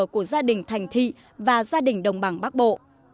của gia đình thành thị và gia đình đồng bằng bắc bộ